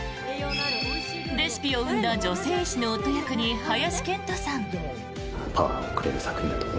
レシピを生んだ女性医師の夫役に林遣都さん。